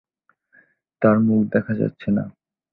তার মুখ দেখা যাচ্ছে না।